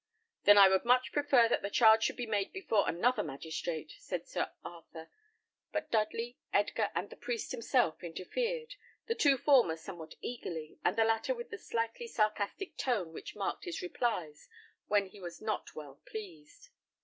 "Then I would much prefer that the charge should be made before another magistrate," said Sir Arthur; but Dudley, Edgar, and the priest himself, interfered, the two former somewhat eagerly, and the latter with the slightly sarcastic tone which marked his replies when he was not well pleased.